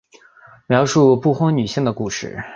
描述不婚女性的故事。